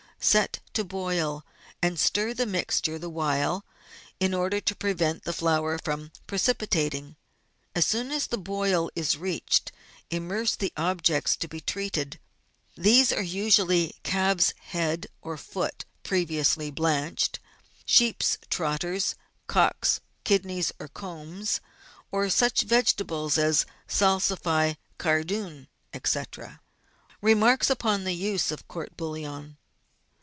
Set to boil, and stir the mixture the while, in order to prevent the flour from precipitating ; as soon as the boil is reached, immerse the objects to be treated. These are usually calf's head or foot, previously blanched; sheep's trotters, cocks' kidneys or combs, or such vegetables as salsify, cardoon, &c. Remarks upon the Use of Court bouillon.